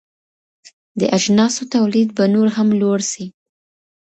د اجناسو تولید به نور هم لوړ سي.